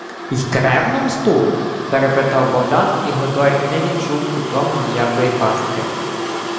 — Й кревну мсту? — перепитав Богдан, і Годой не відчув у тому ніякої пастки.